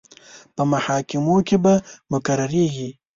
په محاکمو کې به مقرریږي.